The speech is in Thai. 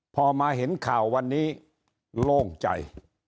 พอมาเห็นข่าววันนี้โล่งใจ